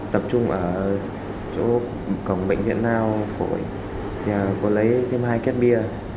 tập trung ở chỗ cổng bệnh viện nào phổi có lấy thêm hai két bia